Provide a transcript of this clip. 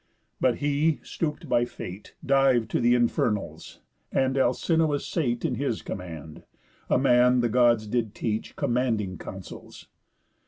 But he, stoop'd by Fate, Div'd to th' infernals; and Alcinous sate In his command, a man the Gods did teach Commanding counsels.